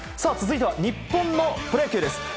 続いては、日本のプロ野球です。